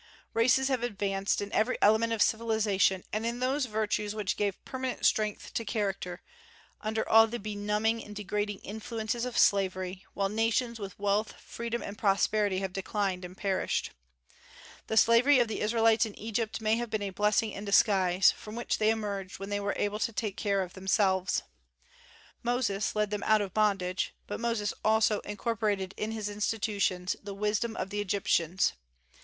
Races have advanced in every element of civilization, and in those virtues which give permanent strength to character, under all the benumbing and degrading influences of slavery, while nations with wealth, freedom, and prosperity have declined and perished. The slavery of the Israelites in Egypt may have been a blessing in disguise, from which they emerged when they were able to take care of themselves. Moses led them out of bondage; but Moses also incorporated in his institutions the "wisdom of the Egyptians."